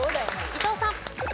伊藤さん。